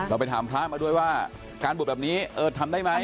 ไปถามพระมาด้วยว่าการบวชแบบนี้เออทำได้ไหม